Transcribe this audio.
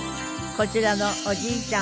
こちらのおじいちゃん